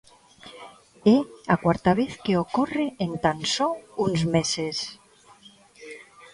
É a cuarta vez que ocorre en tan só uns meses.